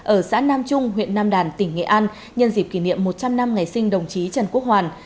ở xã nam trung huyện nam đàn tỉnh nghệ an nhân dịp kỷ niệm một trăm linh năm ngày sinh đồng chí trần quốc hoàn